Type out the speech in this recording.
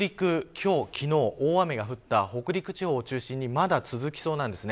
今日、昨日大雨が降った北陸地方を中心にまだ続きそうです。